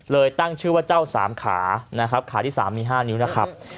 ตั้งชื่อว่าเจ้าสามขานะครับขาที่๓มี๕นิ้วนะครับ